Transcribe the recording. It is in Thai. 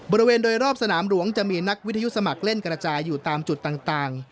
บริเวณโดยรอบสนามหลวงจะมีนักวิทยุสมัครเล่นกระจายอยู่ตามจุดต่าง